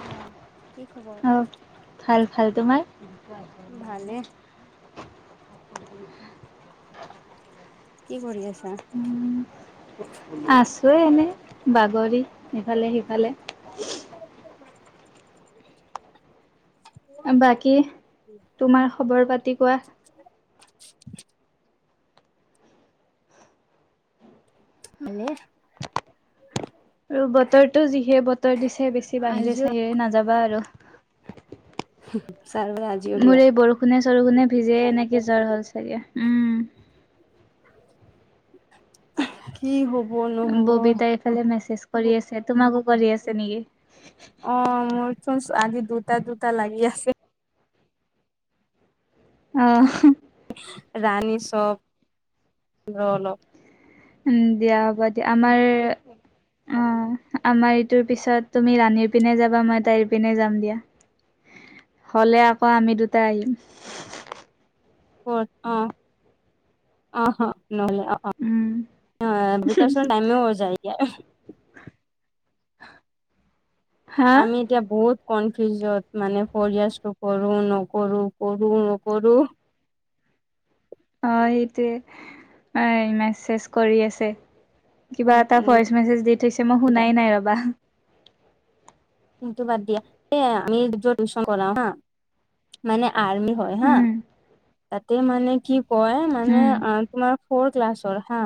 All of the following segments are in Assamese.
অ কি খবৰ? অ', ভাল ভাল তোমাৰ। ভালে। কি কৰি আছ? আছো এনেই বাগৰি ইফালে সিফালে। [unintelligible] বাকী তোমাৰ খবৰ পাতি কোৱা। ভালেই আৰু বতৰটো যিহে বতৰ দিছে বেছি বাহিৰে আজিও চাহিৰে নাযাবা আৰু। চাৰ আজিও বেয়া। শুনে চৰু খোনে ভিজে এনেকে জ্বৰ হ'ল চাগে উম। কি হব নহ'ব। ফালে অ মেছেজ কৰি আছে তোমাকো কৰি আছে নেকি? অ', মোৰ চোন আজি দুটা দুটা লাগি আছে। অ'। ৰাণী চব অলপ। উম দিয়া হ'ব দিয়া আমাৰ অ', আমাৰ ইটোৰ পিছত তুমি ৰাণীৰ পিনে যাবা মই তাইৰ পিনে যাম দিয়া। হলে আকৌ আমি দুটা আহিম। অ', অহা ন অ'। অ', অ'। উম [unintelligible] হা আমি এতিয়া বহুত কনফিউজত মানে‌ পৰি আছোঁ কৰো নকৰো কৰো নকৰো। অ' সেইটোৱে মেছেজ কৰি আছে উম কিবা এটা উম ভইচ মেছেজ দি থৈছে মই শুনাই নাই ৰবা। কিন্তু বাদ দিয়া এ আমি যত টিউচন কৰাও হা মানে আৰ্মি হয় হা উম তাতে মানে কি কয় মানে উম তোমাৰ ফৰ ক্লাছৰ হা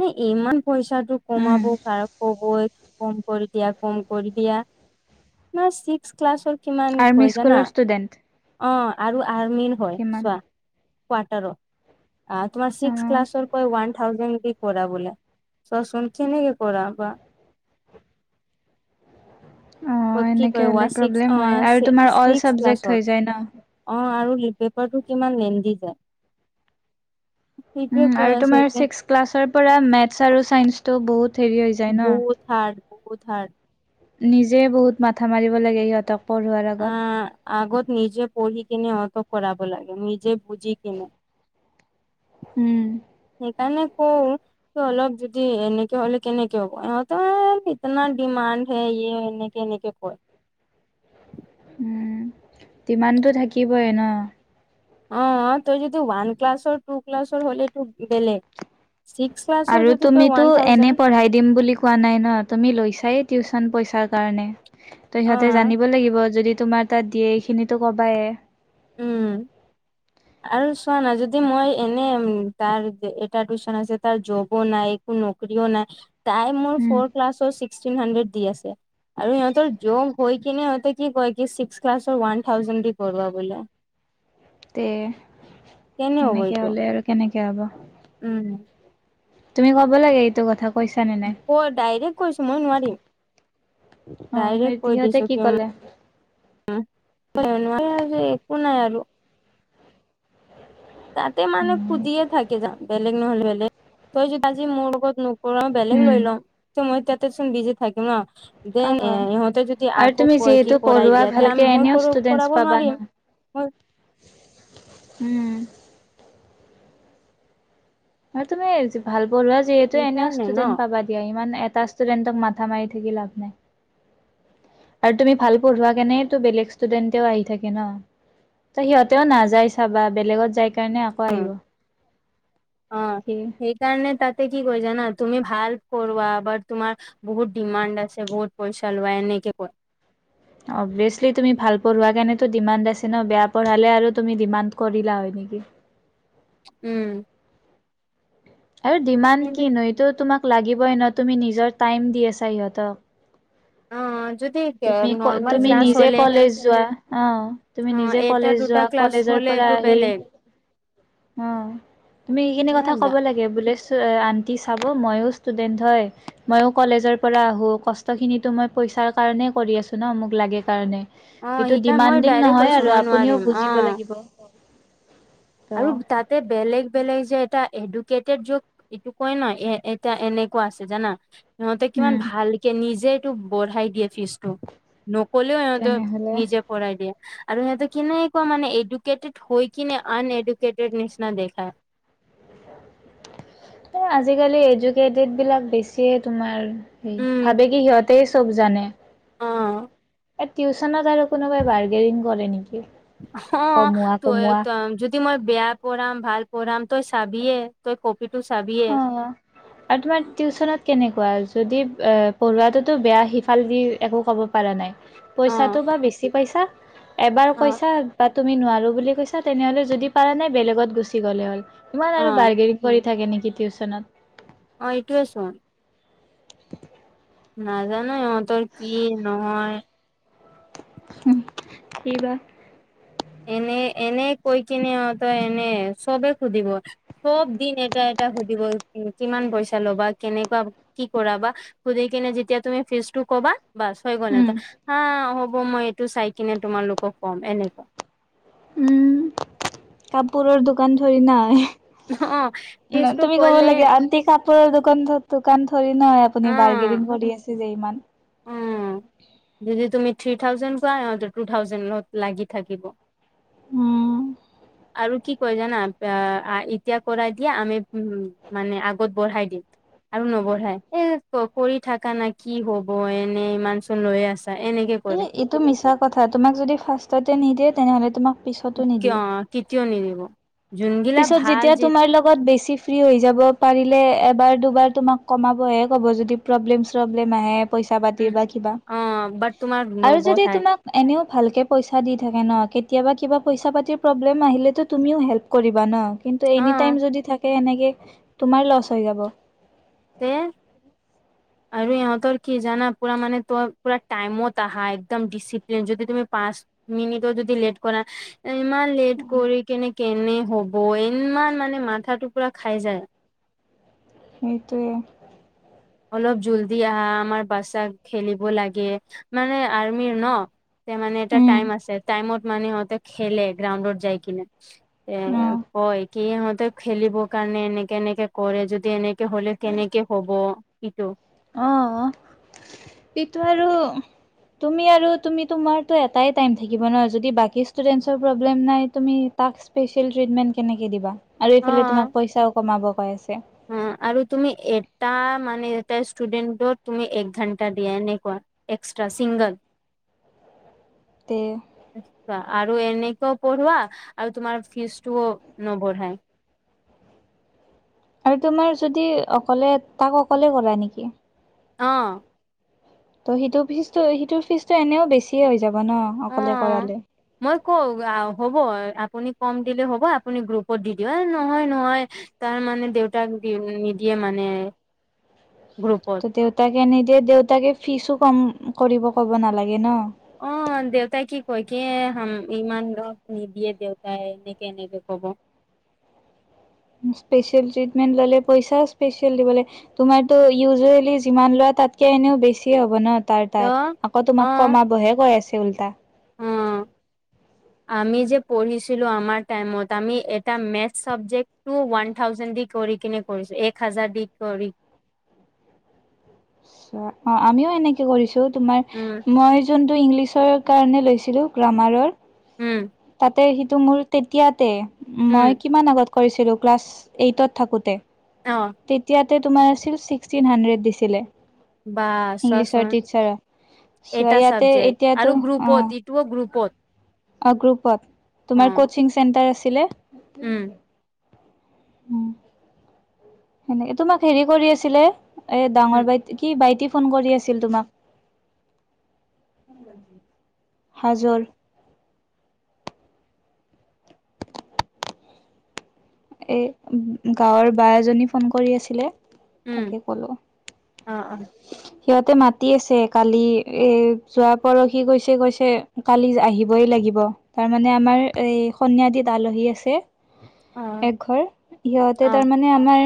নে ইমান পইচাটো উম কমাব কাৰক কগৈ কম কৰি দিয়া কম কৰি দিয়া। ক্লাছ ছিক্স ক্লাছৰ কিমান আৰ্মি হয় জানা স্কুলৰ ষ্টুডেণ্ট অ' আৰু আৰ্মিৰ হয় কিমান চোৱা। কোৱাটাৰ তোমাৰ অ ছিক্স ক্লাছৰ পৰা ওৱান থাউজেন কে কৰাবলে। চোৱাচোন কেনেকে পঢ়াবা। অ ওৱা কি এনেকে কয় হ'লে ছিক্স প্ৰব্লেম হয় আৰু তোমাৰ অল ছিক্স চাবজেক্ট ক্লাছৰ হৈ যায় ন অ আৰু লিপ পেপাৰটো কিমান লেন্ডি যায়। সেইটোৱে উম! কৈ আৰু আছে তোমাৰ ছিক্স ক্লাছৰ পৰা মেথছ আৰু ছাইন্সটো বহুত হেৰি হৈ যায় ন বহুত হাৰ্ট, বহুত হাৰ্ট। নিজে বহুত মাথা মাৰিব লাগে, সিহঁতক পঢ়োৱাৰ আগত। আহ আগত নিজে পঢ়ি কিনে অত কৰাব লাগে, নিজে বুজি কিনে। উম! সেইকাৰণে কওঁ অলপ যদি এনেকে হলে কেনেকে হ'ব ইহঁতৰ ইতনা ডিমাণ্ড হে, ই এনে কেনেকে কৰে। উম! ডিমাণ্ডটো থাকিবই ন। অ তই যদি ওৱান ক্লাছৰ, টু ক্লাছৰ হ'লে এইটো বেলেগ। ছিক্স ক্লাছৰ আৰু যদি তই তুমিতো, ওৱান এনে থাউজেণ্ড পঢ়াই দিম বুলি কোৱা নাই ন! তুমি লৈছায়ে টিউচন পইচাৰ কাৰণে। ত অ সিহঁতে, জানিব লাগিব যদি তোমাৰ তাত দিয়ে এইখিনিটো কবাই। উম [inaudible] আৰু চোৱা না যদি মই এনে তাৰ এটা টিউচন আছে, তাৰ জবো নাই নকৰিও নাই, তাই মোৰ ফ'ৰ ক্লাছৰ ছিক্সটিন হাণ্ড্ৰেড দি আছে। আৰু ইহঁতৰ যোগ হৈ কিনে ইহঁতে কি কয়- কি ছিক্স ক্লাছৰ ওৱান থাউজেণ্ড দি কৰিবা বোলে। তে, কেনে হ'ব এনেকে এইটো হ'লে আৰু কেনেকে হ'ব। উম! তুমি কব লাগে এইটো কথা কৈছা নে নাই ক ডাইৰেক্ট কৈছো মই নোৱাৰিম, অ সেই ডাইৰেক্ট কৈ সিহঁতে দিছো কি কলে উম! একো নাই আৰু। তাতে মানে উম সুধিয়ে থাকে, যাম বেলেগ নহ'লে বেলেগ তই যদি আজি মোৰ লগত কৰোৱা বেলেগ লৈ লম। ত, মই তাতে চোন বিজি থাকিম ন! অ দেন এ ইহঁতে যদি আৰু আকৌ তুমি কয় -কি যিহেতু কৰাই পঢ়োৱা দিয়া তে ভালকে মই এনেও ষ্টুডেন্টছ কৰাব পাবা ন নোৱাৰিম। মই উম! আৰু তুমি ভাল পঢ়োৱা যিহেতু এনেও সেইকাৰণে ন ষ্টুডেন্ট পাবা। এতিয়া ইমান এটা ষ্টুডেণ্টক মাথা মাৰি থাকি লাভ নাই। আৰু তুমি ভাল পঢ়ুৱা কেনেতো-বেলেগ ষ্টুডেণ্টৱেও আহি থাকে ন! ত সিহঁতেও নাযায় চাবা, বেলেগত যাই কাৰণে আকৌ আহিব। অ কি সেই কাৰণে তাতে কি কই জানা তুমি ভাল পঢ়োৱা, বাট তোমাৰ বহুত ডিমাণ্ড আছে, বহুত পইচা লোৱা এনেকে কয়। অভিয়াছলি তুমি ভাল পঢ়োৱাৰ কাৰণেতো ডিমাণ্ড আছে ন! বেয়া পঢ়ালে আৰু তুমি ডিমাণ্ড কৰিলা হয় নেকি। উম! আৰু ডিমাণ্ড কিনো! এইটো তোমাক লাগিবই ন তুমি নিজৰ টাইম দি আছা ইহঁতক। অ যদ তুমি, তুমি নিজে কলেজ যোৱা অ। তুমি অ নিজে এটা কলেজ দুটা যোৱা, ক্লাছ কলেজৰ হ'লে পৰা এইটো আহি অ, তুমি এইখিনি কথা বেলেগ ক'ব লাগ বোলে আণ্টি চাব ময়ো ষ্টুডেণ্ট হয়। মইয়ো কলেজৰ পৰা আহো, কষ্ট খিনিতো মই পইচাৰ কাৰণে কৰি আছো ন! মোক লাগে কাৰণে। অ সেইটো সেইকাৰণে মই ডিমাণ্ডিং ডাইৰেক্ট নহয় কৈছো আৰু মই আপুনিও নোৱাৰিম অ বুজিব লাগিব। ত' আৰু, তাতে বেলেগ বেলেগ যে এটা এডুকেটেড যোগ এইটো কয় নহয় এ এটা এনেকুৱা আছে জানা? সিহঁতে কিমান উম। ভালকে নিজে এইটো বঢ়াই দিয়ে ফিজটো। নকলেও ইহতে তেনেহ'লে নিজে বঢ়াই দিয়ে আৰু সিহতে কেনেকুৱা মানে এডুকেটেড হৈ কিনে আনএডুকেটেড নিচনা দেখায়। আজিকালি এডুকেটেড বিলাক বেছিয়ে তোমাৰ হেৰি উম ভাবে কি সিহঁতে চব জানে? অ'। এ টিউচনত আৰু কোনোবাই বাৰ্গেনিং কৰে নেকি? অ' কমোৱা তই কমোৱা যদি মই বেয়া পঢ়াম ভাল পঢ়াম তই চাবিয়ে। তই কপি টো চাবিয়ে। অ আৰু তোমাৰ টিউচনত কেনেকুৱা যদি পঢ়োৱাটোতো বেয়া সিফাল দি একো ক'ব পৰা নাই অ পইচাটো বা বেছি পইচা এবাৰ অ পইচা ব তুমি নোৱাৰো বুলি কৈছা তেনেহলে যদি পাৰা নাই বেলেগত গুচি গ'লে হ'ল ইমান অ আৰু বাৰ্গেনিং কৰি থাকে নেকি টিউচনত। অ' এইটোৱে চোন। [inaudible] নাজানো আৰু ইঁতৰ কি নহয় হম কি বা এনে এনে কৈ কিনে ইহঁতৰ এনে, চবে সুধিব। চব দিন এটা এটা সুধিব, উম কিমান পইচা ল'বা কেনেকুৱা কি কৰা বা? সুধি কিনে যেতিয়া তুমি ফিজ টো কবা বাচ হৈ গ'ল ইহঁতৰ হা হ'ব মই এইটো চাই কিনে তোমালোকক কম এনেকুৱা। উম কাপোৰৰ দোকান ঠৰি নাই। অ ন ফিজটো তুমি ক'ব ক'লে লাগে আনটি কা পৰ দোকান দোকান ঠৰি না, অ আপুনি বাৰ্গেনিং কৰি আছে যে ইমান? উম যদি তুমি থ্ৰী থাউজেণ্ড কৰা ইহঁতক টু থাউজেণ্ডত লাগি থাকিব। উম। আৰু কি কয় জানা এতিয়া কৰাই দিয়া, আমি উম মানে আগত বঢ়াই দিম। আৰু নবঢ়াই এ কৰি থাকা না কি হ'ব এনে ইমান চোন লৈ আছা। এনেকে কৰে। টো মিছা কথা তোমাক যদি ফাৰ্ষ্টতে নিদিয়ে তেনেহলে তোমাক পিছতো কিয় নিদিয়ে অ' কেতিয়াও নিদিব। যোনগিলা পিছত ভাল যেতিয়া যে তোমাৰ লগত বেছি ফ্ৰী হৈ যাব পাৰিলে এবাৰ দুবাৰ তোমাক কমাবহে ক'ব যদি প্ৰব্লেম চ্ৰব্লেম আহে। পইচা পাতি উম বা কিবা অ বাট তোমাৰ আৰু যদি নবঢ়াই তোমাক এনেও ভালকে পইচা দি থাকে ন, কেতিয়াবা কিবা পইচা পাতিৰ প্ৰব্লেম আহিলেতো তুমিও হেল্প কৰিবা ন কিন্তু অ এনি টাইম যদি থাকে এনেকে তোমাৰ লছ হৈ যাব। তে উ [inaudible] আৰু ইহঁতৰ কি জানা পুৰা মানে ত পুৰা টাইমত আহা একদম ডিচিপ্লিন। যদি তুমি পাঁচ মিনিটো যদি লেট কৰা ইমান লেট কৰি কেনে কেনে হ'ব ইমান মানে মাথাটো পুৰা খাই যায়। সেইটোৱে। অলপ জল্দি আহা আমাৰ বাচ্ছাক খেলিব লাগে। মানে আৰ্মিৰ ন। তে মানে এটা উম টাইম আছে টাইমত মানে সেহতে খেলে গ্ৰাউণ্ডত যাই কিনে এ অ কয় কি ইহঁতে খেলিব কাৰণে এনেকে এনেকে কৰে যদি এনেকে এইটো হলে কেনেকে হব কিটো অ এইটো আৰু তুমি আৰু তুমি তোমাৰতো এটাই টাইম থাকিব ন যদি বাকী ষ্টুডেন্টচৰ প্ৰব্লেম নাই তুমি তাক স্পেচিয়েল ট্ৰিটমেণ্ট কেনেকে দিবা আৰু অ এইফালে তোমাক পইচাও কমাব কৈ আছে অ আৰু তুমি এটা মানে এটা ষ্টুডেণ্টত তুমি এক ঘাণ্টা দিয়া এনেকুৱা এক্সষ্ট্ৰা ছিংগল তে আচ্ছা আৰু এনেকোৱাও পঢ়োৱা আৰু তোমাৰ ফিজ টোঅ নবঢ়াই আৰু তোমাৰ যদি অকলে তাক অকলে কৰা নিকি অঁ ত' সিটো ফীজটো সিটোৰ ফীজটো এনেও বেছিয়ে হৈ যাব ন অ', অকলে কৰালে মই কওঁ হ'ব আপুনি কম দিলেও হ'ব আপুনি গ্ৰুপত দি দিব এ নহয় নহয় তাৰ মানে দেউতাক নিদিয়ে মানে গ্ৰুপত ত' দেউতাকে নিদিয়ে দেউতাকে ফিচো কম কৰিব ক'ব নালাগে ন অ দেউতাই কি কয় কি হাম ইমান ৰস নিদিয়ে দেউতাই এনেকে এনেকে কব স্পেচিয়েল ট্ৰিটমেন্ট ল'লে পইচাও স্পেচিয়েল দিব লাগে তোমাৰটো ইউজুৱেলি যিমান লোৱা তাতকে এনেও বেছি হ'ব ন তাৰ ত তাত আকৌ তোমাক অ', কমাবহে কৈ আছে উল্টা অ', আমি যে পঢ়িছিলোঁ আমাৰ টাইমত আমি এটা মেথ চাবজেক্ট টো ওৱান থাউজেণ্ড দি কৰি কিনে কৰিছো এক হাজাৰ দি কৰি আ অ আমিও এনেকে কৰিছো তোমাৰ উম, মই যোনটো ইংলিছৰ কাৰণে লৈছিলোঁ গ্ৰামাৰৰ উম তাতে সিটো মোৰ তেতিয়াতে উম, মই কিমান আগত কৰিছিলোঁ ক্লাছ এইটত থাকোঁতে অ তেতিয়াতে তোমাৰ আছিল ছিক্সটিন হাড্ৰেড দিছিলে বা ইংলিছৰ চোৱাচোন টিচাৰ এটা চ ইয়াতে চাবজেক্ট আৰু এতিয়াতো অ গ্ৰুপত ইটোও গ্ৰুপত অ গ্ৰুপ কত অ তোমাৰ কচিং চেণ্টাৰ আছিলে উম উম সেনে তোমাক হেৰি কৰি আছিলে এ উম ডাঙৰ বাই কি বাইটি ফোন কৰি আছিল তোমাক [unintelligible] হা জল এ গাঁৱৰ বা এজনী ফোন কৰি আছিলে উম তাকে কলো অঁ অঁ [unintelligible] সিহঁতে মাতি আছে কালি এ যোৱা পৰহি কৈছে কৈছে কালি আহিবই লাগিব তাৰমানে আমাৰ এই সনিয়াদিত আলহী আছে অ একঘৰ অ সিহঁতে তাৰমানে আমাৰ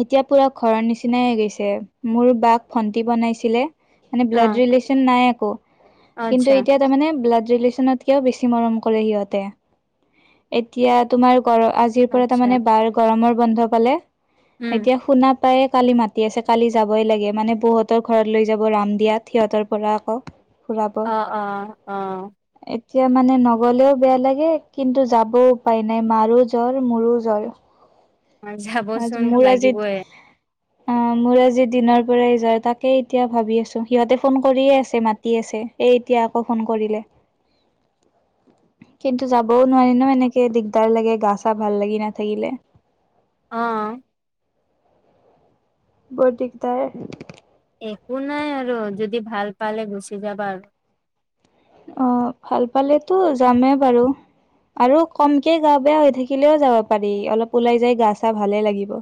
এতিয়া পুৰা ঘৰৰ নিচিনাই হৈ গৈছে মোৰ বাক ভন্টি বনাইছিলে মানে অ ব্লাড ৰিলে্চন নাই আক কিন্তু আচ্ছা এতিয়া তাৰমানে ব্লাড ৰিলেশ্যনত কেও বেছি মৰম কৰে সিহঁতে এতিয়া তোমাৰ ঘৰৰ আজ টি পৰা আচ্ছা মানে বাৰ গৰমৰ বন্ধ পালে, উম এতিয়া শুনা পাই কালি মাতি আছে। কালি যাবই লাগে মানে, বৌ হঁতৰ ঘৰত লৈ যাব ৰামদিয়াত, সিহঁতৰ পৰা আকৌ। ফুৰাব অহ অহ অঁ। এতিয়া মানে নগলেও বেয়া লাগে, কিন্তু যাবও উপায় নাই মাৰো জ্বৰ মোৰো জ্বৰ। আজি যাবচোন মোৰ আজি লাগিবই অঁ মোৰ আজি। দিনৰ পৰাই যায়, তাকেই এতিয়া ভাবি আছোঁ সিহঁতে ফোন কৰিয়ে আছে মাতি আছে। এই এতিয়া আকৌ ফোন কৰিলে। কিন্তু যাবও নোৱাৰি নহয় এনেকে দিগদাৰ লাগে গা চা ভাল লাগি নাথাকিলে। অঁ। বৰ দিগদাৰ। একো নাই আৰু যদি ভাল পালে গুচি যাবা আৰু। অঁ, ভাল পালেতো যামেই বাৰু। আৰু কমকে গা বেয়া হৈ থাকিলেও যাব পাৰি অলপ ওলাই যাই গা চা ভালে লাগিব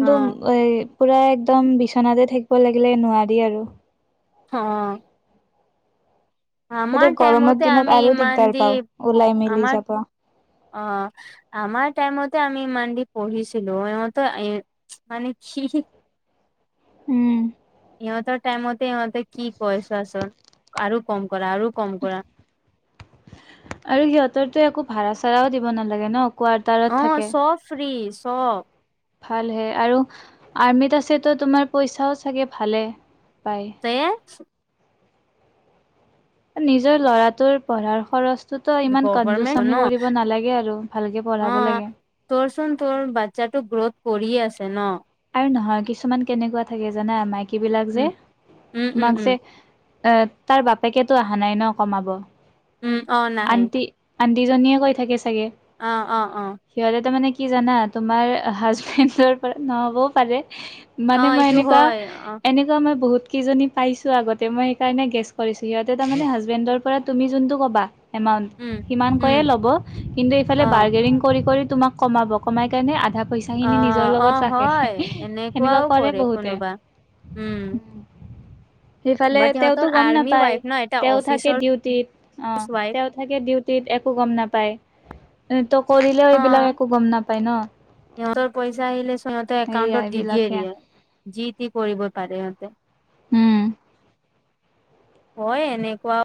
অ এ পুৰা একদম বিচনাতে থাকিব লাগিলে নোৱাৰি আৰু। অঁ এতিয়া আমাৰ গৰমৰ টাইমতে দিনত আমি আৰু ইমান দিগদাৰ দি পাওঁ, ওলাই মেলি আমাৰ যাব। অঁ, আমাৰ টাইমতে আমি ইমানডি পঢ়িছিলো ইহতে এ মানে কি উম। সিহঁতৰ টাইমতে ইহঁতে কি কৈ চোৱাচোন আৰু কম কৰা আৰু কম কৰা। আৰু সিহঁতৰতো একো ভাড়া চাড়াও দিব নালাগে ন। কোৱাৰ্টাৰত অঁ, থাকে। চব ফ্ৰী চব। ভালহে, আৰু আৰ্মিত আছে তো তোমাৰ পইচাও চাগে ভালে পায়। তে নিজৰ ল'ৰাটোৰ পঢ়াৰ খৰচ ত' তো ইমান গভমেন্ট ন কনজুচামি কৰিব নালাগে আৰু, ভালকৈ অ পঢ়াব লাগে। তোৰচোন তোৰ বাচ্ছাটো গ্ৰোথ কৰিয়ে আছে ন। আৰু নহয় কিছুমান কেনেকুৱা থাকে জানা, মাইকী বিলাক যে উম উম উম তোমাক উম যে এ তাৰ বাপেকেতো অহা নাই ন কমাব। উম অ নাহে আন্টি আন্টি জনীয়ে কৈ থাকে চাগে। অঁ অঁ অঁ সিহঁতে তা মানে কি জানা তোমাৰ হাজবেণ্ডৰ পৰা নহবও পাৰে। অ মানে মই এইটো এনেকুৱা হয় অ এনে মই বহুত কেইজনী পাইছো আগতে মই সেইকাৰণে গেছ কৰিছো, সিহতে তাৰমানে হাজবেণ্ডৰ পৰা তুমি যোনটো কবা এমাউন্ত উম সিমান উম কয়ে ল'ব, কিন্তু এইফালে অ বাৰ্গেনিং কৰি কৰি তোমাক কমাব, কমাই কাৰণে আধা পইচা অ খিনি নিজৰ অ লগত ৰাখ হয় এনেকুৱাও সেনেকুৱা কৰে বহুতে। কোনোবা উম সেইফালে বাট তেওঁতো সিহঁতৰ গম আৰ্মি নাপায়, ৱাইফ ন এটা তেওঁ থাকে অফিচৰ ডিউটিত অঁ ৱাইফ তেওঁ থাকে ডিউটিত একো গম নাপায়, ত কৰিলেও অ এইবিলাক একো গম নাপায় ন। সিহঁতৰ পইচা আহিলে সিহঁতেৰ সেইয়া একাউণ্টত দি দিয়ে এইবিলাকে দিয়ে যি টি কৰিব পাৰে সিহঁতে। উম হয় এনেকুৱা